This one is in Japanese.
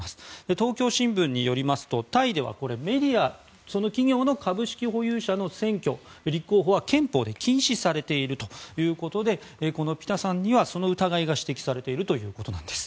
東京新聞によりますとタイではその企業の株式保有者の選挙立候補は憲法で禁止されているということでこのピタさんには、その疑いが指摘されているということです。